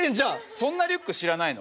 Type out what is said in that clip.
そんなリュック知らないの？